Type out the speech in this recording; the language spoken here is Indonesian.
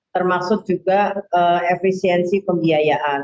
termasuk juga efisiensi pembiayaan